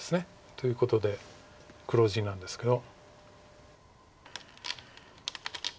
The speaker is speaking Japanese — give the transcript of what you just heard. ということで黒地なんですけど。